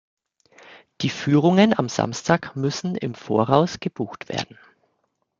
Die Führungen am Samstag müssen im Voraus gebucht werden.